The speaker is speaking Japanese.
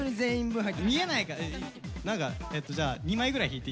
何かじゃあ２枚ぐらい引いていいよ。